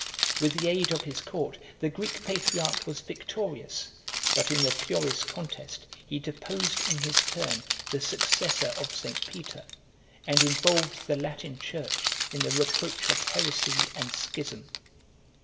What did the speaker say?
With the aid of his court the Greek patriarch was victorious; but in the furious contest he deposed in his turn the successor of St. Peter, and involved the Latin church in the reproach of heresy and schism.